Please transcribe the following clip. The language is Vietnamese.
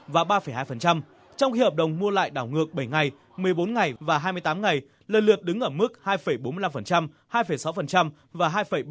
và ba hai trong khi hợp đồng mua lại đảo ngược bảy ngày một mươi bốn ngày và hai mươi tám ngày lần lượt đứng ở mức hai bốn mươi năm hai sáu và hai bảy